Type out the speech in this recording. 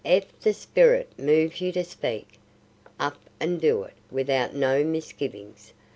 "Ef the sperrit moves you to speak, up and do it without no misgivin's.